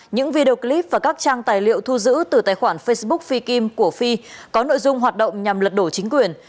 những video clip và các trang tài liệu thu giữ từ tài khoản facebook fi kim của phi có nội dung hoạt động nhằm lật đổ chính quyền